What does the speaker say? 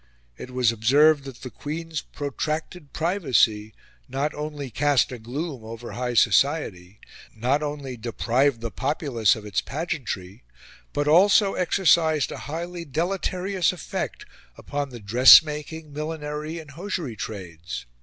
It was observed that the Queen's protracted privacy not only cast a gloom over high society, not only deprived the populace of its pageantry, but also exercised a highly deleterious effect upon the dressmaking, millinery, and hosiery trades.